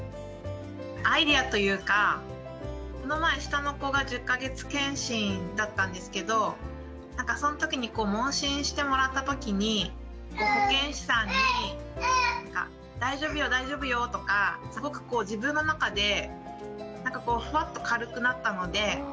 アイデアというかこの前下の子が１０か月健診だったんですけどなんかその時に問診してもらった時に保健師さんに「大丈夫よ大丈夫よ」とかすごく自分の中でふわっと軽くなったので。